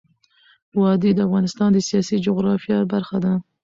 وادي د افغانستان د سیاسي جغرافیه برخه ده.